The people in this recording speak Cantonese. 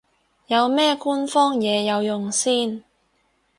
有咩官方嘢有用先